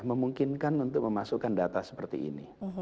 memungkinkan untuk memasukkan data seperti ini